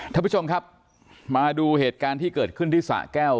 ท่านผู้ชมครับมาดูเหตุการณ์ที่เกิดขึ้นที่สะแก้ว